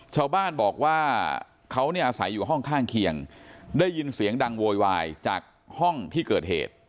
ชาวบ้านบอกว่าเขาเนี่ยอาศัยอยู่ห้องข้างเคียงได้ยินเสียงดังโวยวายจากห้องที่เกิดเหตุ